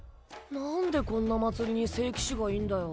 なんでこんな祭りに聖騎士がいんだよ。